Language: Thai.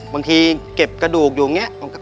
บางทีเก็บกระดูกอยู่อย่างนี้